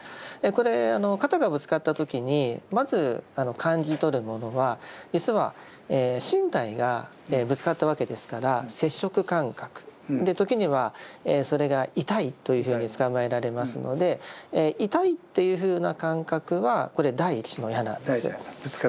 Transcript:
これ肩がぶつかった時にまず感じ取るものは実は身体がぶつかったわけですから接触感覚時にはそれが痛いというふうにつかまえられますので痛いっていうふうな感覚はこれ第一の矢なんですよ。